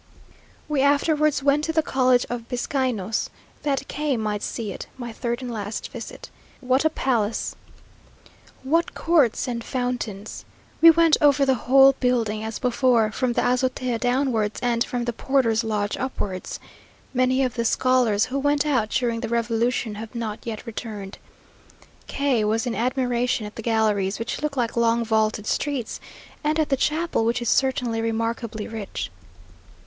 We afterwards went to the college of Bizcainos, that K might see it my third and last visit. What a palace! What courts and fountains! We went over the whole building as before, from the azotea downwards, and from the porter's lodge upwards. Many of the scholars, who went out during the revolution, have not yet returned. K was in admiration at the galleries, which look like long vaulted streets, and at the chapel, which is certainly remarkably rich....